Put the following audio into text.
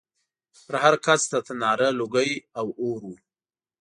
پر هر کڅ د تناره لوګی او اور و